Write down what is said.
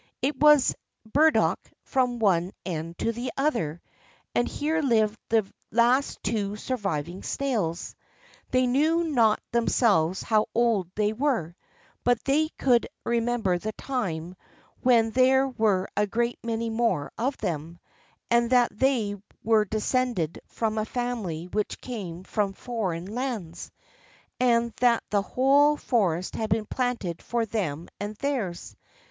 It was burdock from one end to the other; and here lived the last two surviving snails. They knew not themselves how old they were; but they could remember the time when there were a great many more of them, and that they were descended from a family which came from foreign lands, and that the whole forest had been planted for them and theirs.